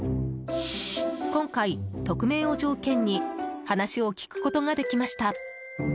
今回、匿名を条件に話を聞くことができました。